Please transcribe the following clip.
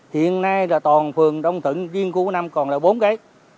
hiện nay là toàn phường đông tận riêng khu phố năm còn là bốn cái